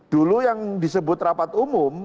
dulu yang disebut rapat umum